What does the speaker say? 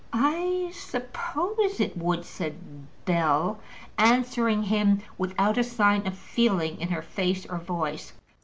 "I suppose it would," said Bell, answering him without a sign of feeling in her face or voice.